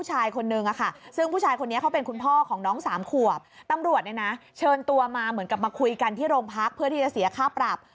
และถ้าผู้ชายคนหนึ่งครับ